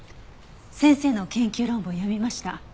先生の研究論文を読みました。